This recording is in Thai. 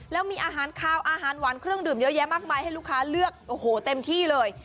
แล้วมีอาหารคาวอาหารหวานเครื่องดื่มเยอะแยะมากมายให้ลูกค้าเลือกโอ้โหเต็มที่เลย